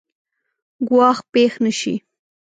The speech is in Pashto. ګواښ پېښ نه شي.